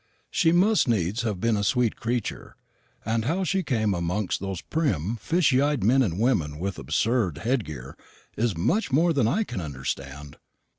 She must needs have been a sweet creature; and how she came amongst those prim fishy eyed men and women with absurd head gear is much more than I can understand.